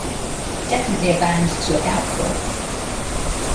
Definitely a band to look out for.